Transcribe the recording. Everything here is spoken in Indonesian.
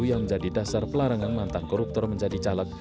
yang menjadi dasar pelarangan mantan koruptor menjadi caleg